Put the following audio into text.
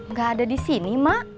nggak ada di sini mak